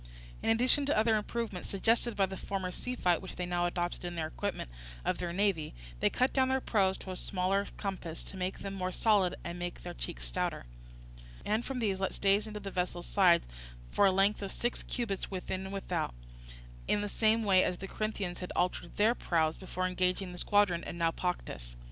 In addition to other improvements suggested by the former sea fight which they now adopted in the equipment of their navy, they cut down their prows to a smaller compass to make them more solid and made their cheeks stouter, and from these let stays into the vessels' sides for a length of six cubits within and without, in the same way as the Corinthians had altered their prows before engaging the squadron at Naupactus.